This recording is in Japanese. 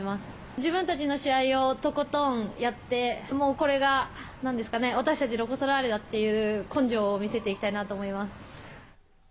自分たちの試合をとことんやって、もうこれが、なんですかね、私たちロコ・ソラーレだという根性を見せていきたいなと思います。